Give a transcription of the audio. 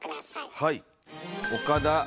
はい。